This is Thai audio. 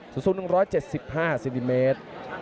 สู้สู้๑๗๕ซินิเมตร